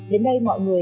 đến đây mọi người